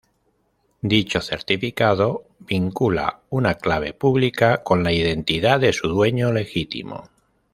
Dicho certificado vincula una clave pública con la identidad de su dueño legítimo.